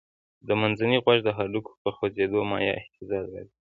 د منځني غوږ د هډوکو په خوځېدو مایع اهتزاز راځي.